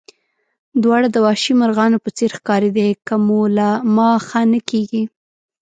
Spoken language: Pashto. دواړه د وحشي مرغانو په څېر ښکارېدې، که مو له ما ښه نه کېږي.